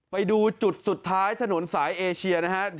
ไปดูจุดสุดท้ายถนนสายเอเชียนะครับ